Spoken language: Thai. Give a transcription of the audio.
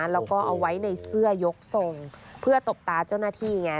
แล้วก็เอาไว้ในเสื้อยกทรงเพื่อตบตาเจ้าหน้าที่ไง